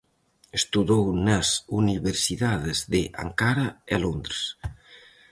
Estudou nas universidades de Ancara e Londres.